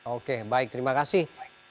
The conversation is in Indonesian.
oke baik terima kasih